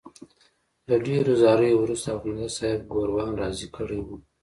له ډېرو زاریو وروسته اخندزاده صاحب ګوروان راضي کړی وو.